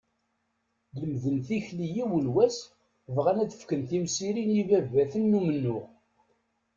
Lemden tikli yiwen wass, bɣan ad fken timsirin i ibabaten n umennuɣ.